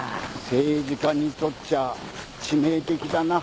政治家にとっちゃ致命的だな。